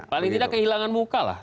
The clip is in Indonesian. paling tidak kehilangan muka lah